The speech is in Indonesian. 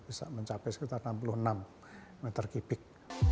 bisa mencapai sekitar enam puluh enam meter kubik